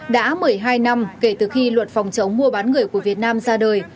đã một mươi hai năm kể từ khi luật phòng chống mua bán người của việt nam ra đời